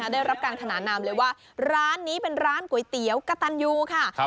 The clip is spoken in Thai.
ได้รับการขนานนามเลยว่าร้านนี้เป็นร้านก๋วยเตี๋ยวกระตันยูค่ะ